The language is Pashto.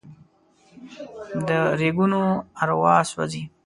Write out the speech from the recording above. د ریګونو اروا سوزي